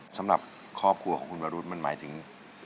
สำหรับครอบครัวของคุณวรุธมันหมายถึง